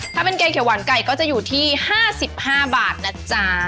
ถ้าเป็นแกงเขียวหวานไก่ก็จะอยู่ที่๕๕บาทนะจ๊ะ